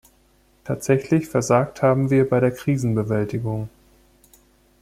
Tatsächlich versagt haben wir bei der Krisenbewältigung.